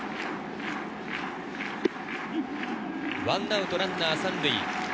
１アウトランナー３塁。